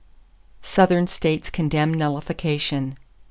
_Southern States Condemn Nullification.